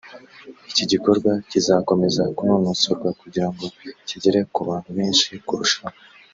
iki gikorwa kizakomeza kunonosorwa kugira ngo kigere ku bantu benshi kurushaho